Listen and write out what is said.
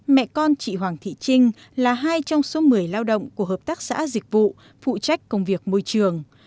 mẹ con chị hoàng thị trinh là hai trong số một mươi lao động của hợp tác xã dịch vụ phụ trách công việc môi trường